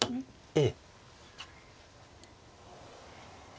ええ。